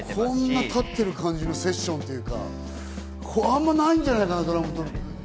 こんな立ってる感じのセッションってあんまりないんじゃないかな？